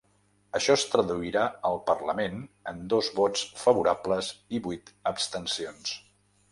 Això es traduirà al parlament en dos vots favorables i vuit abstencions.